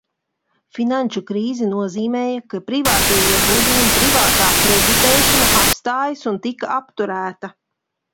Finanšu krīze nozīmēja, ka privātie ieguldījumi un privātā kreditēšana apstājās un tika apturēta.